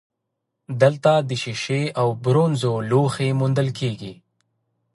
دلته د شیشې او برونزو لوښي موندل شوي